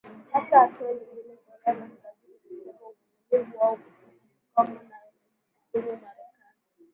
katika hatua nyingine korea kaskazini imesema uvumilivu wao una kikomo na ameishutumu marekani